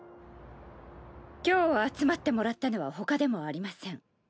今日集まってもらったのはほかでもありません。